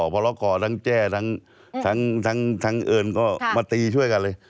พรกรทั้งแจ้ทั้งเอิญก็มาตีช่วยกันเลย